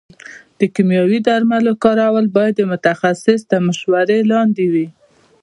د کيمياوي درملو کارول باید د متخصص تر مشورې لاندې وي.